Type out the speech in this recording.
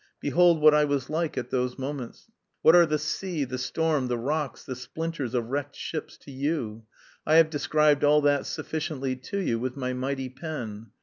Behold what I was like at those moments. What are the sea, the storm, the rocks, the splinters of wrecked ships to you? I have described all that sufficiently to you with my mighty pen.